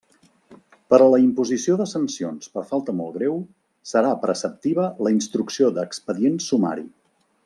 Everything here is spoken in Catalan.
Per a la imposició de sancions per falta molt greu serà preceptiva la instrucció d'expedient sumari.